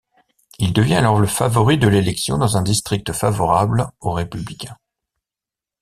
Il devient alors le favori de l'élection dans un district favorable aux républicains.